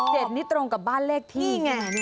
เลข๖๗นี่ตรงกับบ้านเลขที่